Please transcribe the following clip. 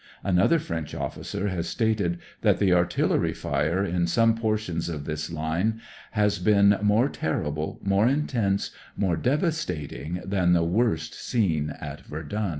Another French officer has stated that the artillery fire in some portions of this line has been " more terrible, more intense, more devastating than the worst seen at Verdun."